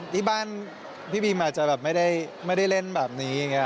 ที่บ้านพี่บีมอาจจะไม่ได้เล่นแบบนี้